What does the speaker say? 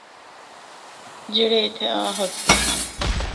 جِڑّے اِتھّا آ ہکدے ہن۔